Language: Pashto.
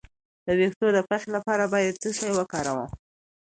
د ویښتو د پخې لپاره باید څه شی وکاروم؟